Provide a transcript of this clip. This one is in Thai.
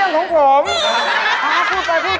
ซ้อมง่าวขาวนี่